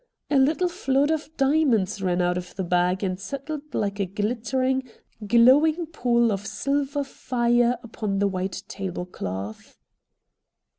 A little flood of diamonds ran out of the bag and settled like THE MAN FROM AFAR 47 a glittering, glowing pool of silver fire upon the white tablecloth.